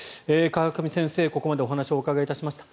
川上先生、ここまでお話をお伺いいたしました。